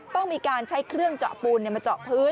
ต้องมีการใช้เครื่องเจาะปูนมาเจาะพื้น